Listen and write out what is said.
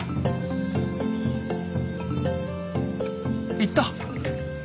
行った！